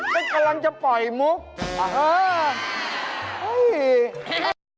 ก็กำลังจะปล่อยมุก